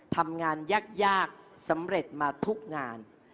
ทำงานยากสำเร็จมาทุกงาน